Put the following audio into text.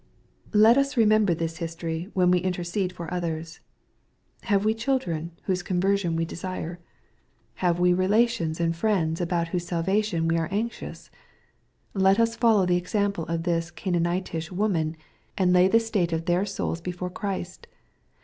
Let us remember this history, when we intercede for others. Have we children, whose conversion we desire ? MATTHEW, CHAP.' XT. 183 Have we relations and friends, about Vhose salvation we are anxious ? Let us follow the example of this Oa naanitish woman, and lay the state of their souls before Christ.